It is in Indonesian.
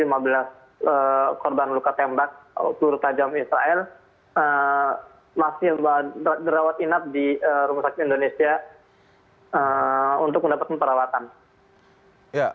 korban luka tembak tur tajam israel masih berawat inap di rumah sakit indonesia untuk mendapatkan perawatan